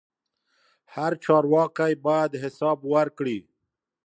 هر چارواکی باید حساب ورکړي